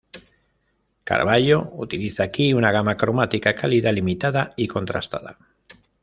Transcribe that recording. Caravaggio utiliza aquí una gama cromática cálida, limitada y contrastada.